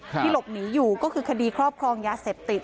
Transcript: หลบหนีอยู่ก็คือคดีครอบครองยาเสพติด